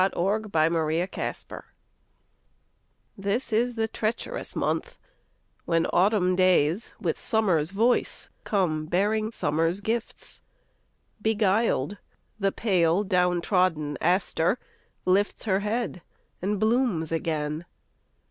Helen Hunt Jackson November THIS is the treacherous month when autumn days With summer's voice come bearing summer's gifts. Beguiled, the pale down trodden aster lifts Her head and blooms again.